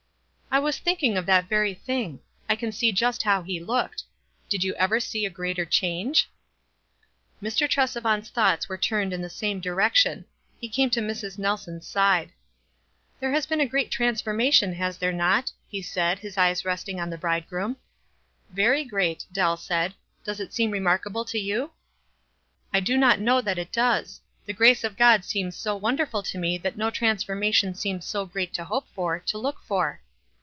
"I was thinking of that very thing. I can see just how he looked. Did you ever sec a greater change ?" Mr. Tresevant's thoughts were turned in the same direction — he came to Mr3. Nelson's side. 388 WISE AND OTHERWISE. "There has been a great transformation, has there not?" ho said, his eyes resting on the bridegroom. " Very great, " Dell said. "Docs it seem re markable to J\OU?" "I do not know that it docs; the grace of 1 God seems so wonderful to mc that no transfor mation seems too great to hope for, to look for."